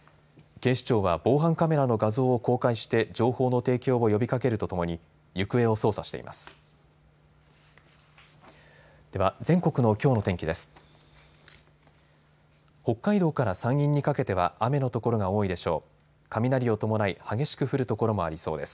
警視庁は防犯カメラの画像を公開して情報の提供を呼びかけるとともに行方を捜査しています。